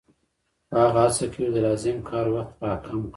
خو هغه هڅه کوي د لازم کار وخت را کم کړي